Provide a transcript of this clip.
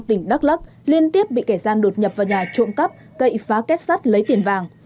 tỉnh đắk lắc liên tiếp bị kẻ gian đột nhập vào nhà trộm cắp cậy phá kết sắt lấy tiền vàng